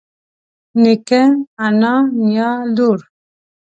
نيکه انا نيا لور